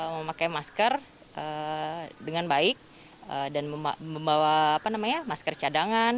memakai masker dengan baik dan membawa masker cadangan